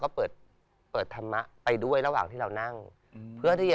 ก็ยังเห็นนั่งอยู่